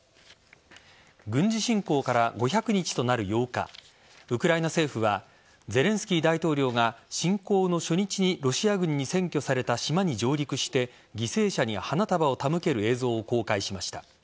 軍事侵攻から５００日となる８日ウクライナ政府はゼレンスキー大統領が侵攻の初日にロシア軍に占拠された島に上陸して犠牲者に花束を手向ける映像を公開しました。